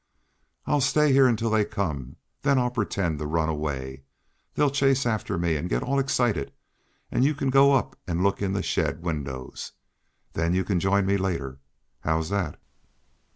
"I'll stay here until they come, then I'll pretend to run away. They'll chase after me, and get all excited, and you can go up and look in the shed windows. Then you can join me later. How's that?"